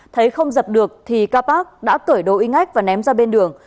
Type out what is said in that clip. thấy không dập được thì kapat đã cởi đồ y ngách và ném ra bên đường